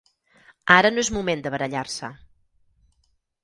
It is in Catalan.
Ara no és moment de barallar-se.